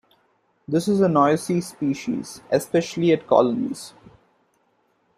This is a noisy species, especially at colonies.